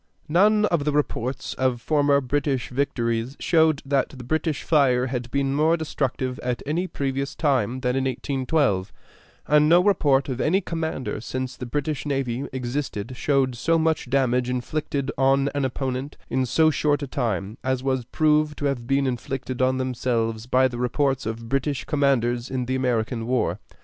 None of the reports of former British victories showed that the British fire had been more destructive at any previous time than in 1812, and no report of any commander since the British navy existed showed so much damage inflicted on an opponent in so short a time as was proved to have been inflicted on themselves by the reports of British commanders in the American war.